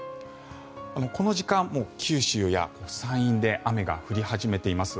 この時間、九州や山陰で雨が降り始めています。